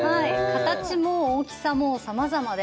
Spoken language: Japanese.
形も大きさもさまざまで、